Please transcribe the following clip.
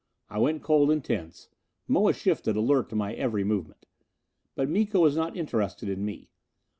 I went cold and tense; Moa shifted, alert to my every movement. But Miko was not interested in me.